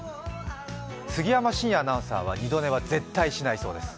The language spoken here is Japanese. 杉山真也アナウンサーは二度寝は絶対にしないそうです。